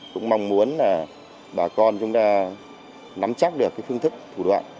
cũng mong muốn là bà con chúng ta nắm chắc được cái phương thức thủ đoạn